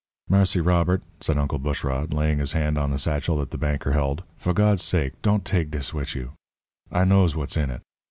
"Marse Robert," said Uncle Bushrod, laying his hand on the satchel that the banker held. "For Gawd's sake, don' take dis wid you. I knows what's in it.